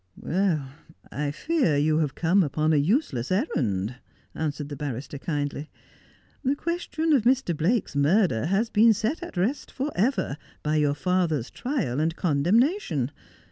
' I fear you have come upon a useless errand,' answered the barrister kindly. ' The question of Mr. Blake's murder has been set at rest for ever by your father's trial and condemnation.